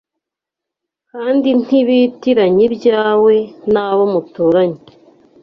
kandi ntibitiranya ibyawe nabo muturanye